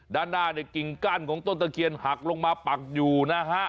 ด้านหน้าเนี่ยกิ่งกั้นของต้นตะเคียนหักลงมาปักอยู่นะฮะ